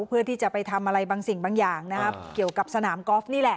เพื่อที่จะไปทำอะไรบางสิ่งบางอย่างนะครับเกี่ยวกับสนามกอล์ฟนี่แหละ